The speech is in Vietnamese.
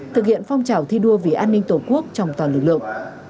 thực hiện phong trào thi đua vì an ninh tổ quốc trong toàn lực lượng